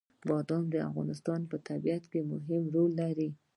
بادام د افغانستان په طبیعت کې مهم رول لري.